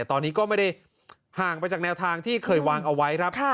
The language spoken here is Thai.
ตอนนี้ก็ไม่ได้ห่างไปจากแนวทางที่เคยวางเอาไว้ครับ